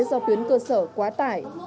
do tuyến cơ sở quá tải